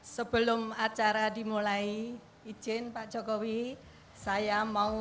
sebelum acara dimulai izin pak jokowi saya mau